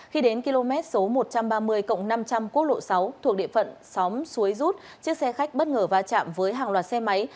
khi đến km số một trăm ba mươi năm trăm linh quốc lộ sáu thuộc địa phận xóm xuối rút chiếc xe khách bất ngờ va chạm với hàng loạt xe máy